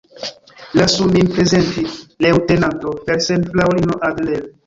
Lasu min prezenti: leŭtenanto Felsen fraŭlino Adler.